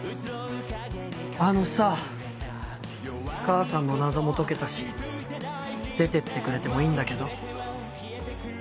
あのさ母さんの謎も解けたし出てってくれてもいいんだけど。